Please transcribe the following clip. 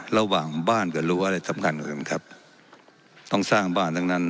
ระหว่างบ้านกับรั้วอะไรสำคัญอื่นครับต้องสร้างบ้านทั้งนั้น